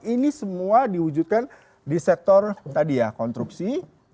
ini semua diwujudkan di sektor tadi ya konstruksi